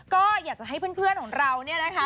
ก็อยากจะให้เพื่อนของเราเนี่ยนะคะ